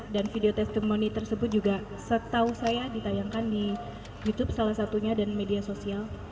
video testimoni tersebut juga setahu saya ditayangkan di youtube salah satunya dan media sosial